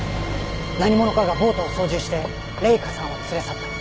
何者かがボートを操縦して麗華さんを連れ去った。